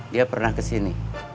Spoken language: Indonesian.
dia pernah kesini